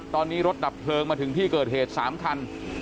ตอนนี้รถดับเพลิงมาถึงที่เกิดเหตุ๓คัน